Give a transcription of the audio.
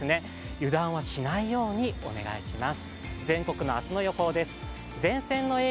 油断はしないようにお願いします。